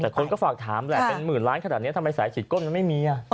แต่คนก็ฝากถามแหละเป็นหมื่นล้านขนาดนี้ทำไมสายฉีดก้นมันไม่มี